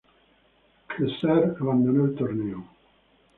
Ksar abandonó el torneo.